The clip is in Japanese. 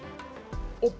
おっ！